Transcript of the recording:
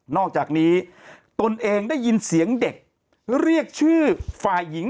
อกจากนี้ตนเองได้ยินเสียงเด็กเรียกชื่อฝ่ายหญิง